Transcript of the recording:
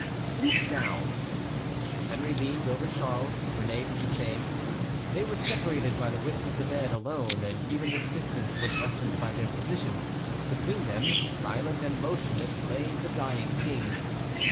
"Stoop down." Henry leaned over Charles. Réné did the same. They were separated by the width of the bed alone, and even this distance was lessened by their positions. Between them, silent and motionless, lay the dying King.